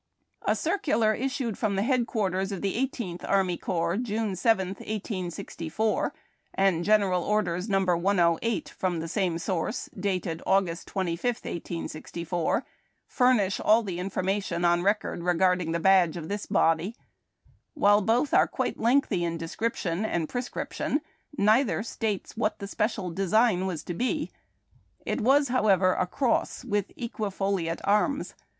A circular issued from the headquarters of the Eighteenth Army Corps June 7, 1864, and General Orders No. 108, from the same source, dated August 25, 1864, furnish all the information on record regarding the badge of this body. While both are quite lengthy in description and prescrip tion, neither states what the special design v/as to be. It was, however, a cross with equi foliate arms.